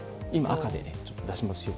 赤で出します。